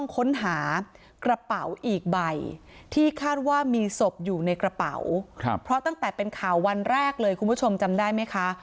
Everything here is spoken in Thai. ค้นหากระเป๋าอีกใบที่คาดว่ามีศพอยู่ในกระเป๋าเพราะตั้งแต่เป็นข่าววันแรกเลยคุณผู้ชมจำได้ไหมคะ